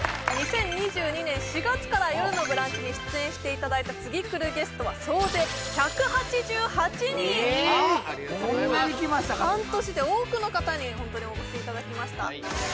２０２２年４月から「よるのブランチ」に出演していただいた次くるゲストは総勢１８８人えっそんなに来ましたか半年で多くの方に本当にお越しいただきました